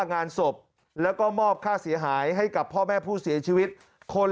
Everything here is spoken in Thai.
งานศพแล้วก็มอบค่าเสียหายให้กับพ่อแม่ผู้เสียชีวิตคน